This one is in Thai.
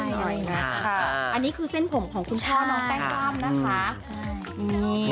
อันนี้คือเส้นผมของคุณพ่อน้องแป้งบ้ามนะคะใช่นี่